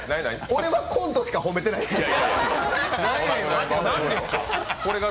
俺はコントしか褒めてないから。